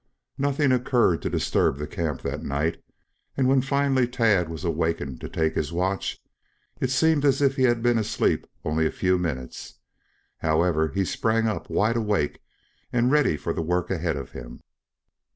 Nothing occurred to disturb the camp that night, and when finally Tad was awakened to take his watch, it seemed as if he had been asleep only a few minutes. However, he sprang up wide awake and ready for the work ahead of him.